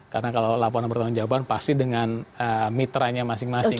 karena kalau laporan pertanggung jawaban pasti dengan mitranya masing masing